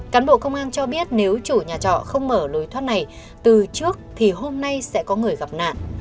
cán bộ công an cho biết nếu chủ nhà trọ không mở lối thoát này từ trước thì hôm nay sẽ có người gặp nạn